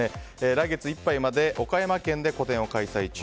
来月いっぱいまで岡山県で個展を開催中。